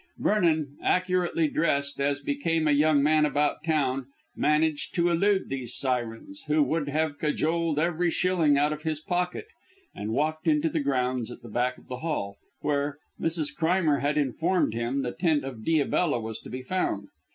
Vernon, accurately dressed, as became a young man about town, managed to elude these sirens, who would have cajoled every shilling out of his pocket, and walked into the grounds at the back of the Hall, where, Mrs. Crimer had informed him, the tent of Diabella was to be found.